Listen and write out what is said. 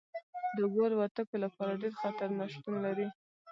د اوبو الوتکو لپاره ډیر خطرونه شتون لري